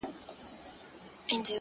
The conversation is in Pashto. هوډ د نیمګړتیاوو پروا نه کوي.!